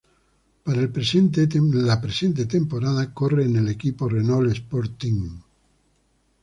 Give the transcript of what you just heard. Para la presente temporada, corre en el equipo Renault Sport Team.